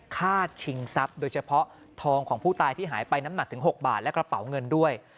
ชิงทรัพย์โดยเฉพาะทองของผู้ตายที่หายไปน้ำหนักถึง๖บาทและกระเป๋าเงินด้วย